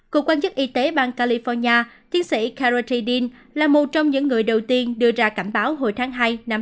cục quan chức y tế bang california tiến sĩ carol t dean là một trong những người đầu tiên đưa ra cảnh báo hồi tháng hai